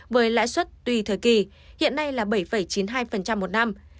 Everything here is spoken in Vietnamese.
với lãi suất tùy thời kỳ hiện nay là bảy chín mươi hai một năm